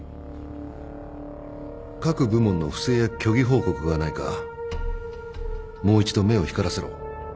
各部門の不正や虚偽報告がないかもう一度目を光らせろ。